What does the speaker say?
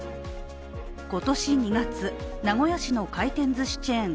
今年２月、名古屋市の回転ずしチェーン